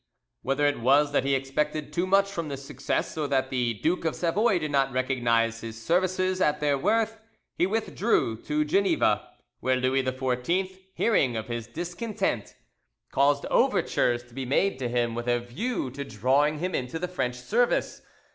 Whether it was that he expected too much from this success, or that the Duke of Savoy did not recognise his services at their worth, he withdrew to Geneva, where Louis XIV hearing of his discontent, caused overtures to be made to him with a view to drawing him into the French service.